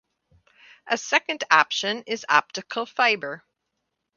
A second option is optical fiber.